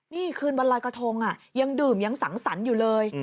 นี่คืนวันลอยกระทงยังดื่มยังสังสรรค์อยู่เลย